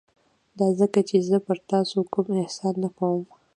دا ځکه چې زه پر تاسو کوم احسان نه کوم.